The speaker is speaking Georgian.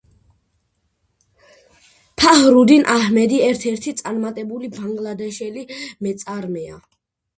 ფაჰრუდინ აჰმედი ერთ-ერთი წარმატებული ბანგლადეშელი მეწარმეა.